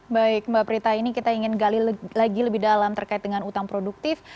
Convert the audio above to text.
baik mbak prita ini kita ingin gali lagi lebih dalam terkait dengan utang produktif